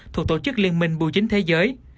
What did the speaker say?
thuộc tổ chức liên minh bùa chính thế giới